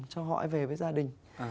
cho họ về với gia đình